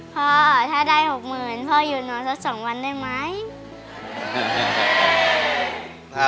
พ่อถ้าได้๖๐๐๐พ่ออยู่นอนสัก๒วันได้ไหม